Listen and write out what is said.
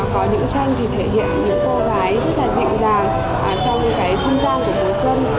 có những tranh thì thể hiện những cô gái rất là dịu dàng trong cái không gian của mùa xuân